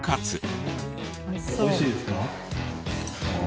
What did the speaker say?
美味しいですか？